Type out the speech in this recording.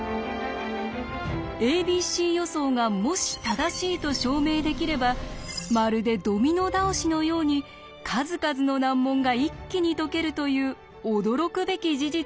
「ａｂｃ予想」がもし正しいと証明できればまるでドミノ倒しのように数々の難問が一気に解けるという驚くべき事実を見つけたのです。